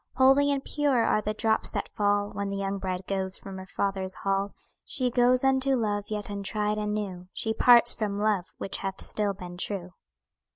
Holy and pure are the drops that fall When the young bride goes from her father's hall; She goes unto love yet untried and new She parts from love which hath still been true.